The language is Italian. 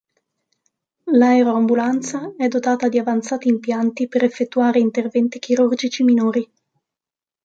L'aeroambulanza è dotata di avanzati impianti per effettuare interventi chirurgici minori.